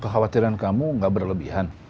kekhawatiran kamu nggak berlebihan